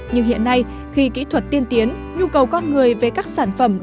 nhưng hiện nay khi kỹ thuật tiên tiến nhu cầu con người về các sản phẩm